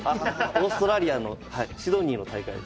オーストラリアのシドニーの大会ですね。